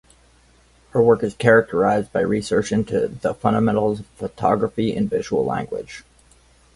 Her work is characterized by research into the fundamentals of photography and visual language.